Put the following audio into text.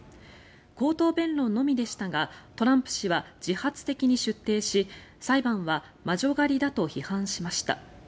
口頭弁論のみでしたがトランプ氏は自発的に出廷し裁判は魔女狩りだと批判しました。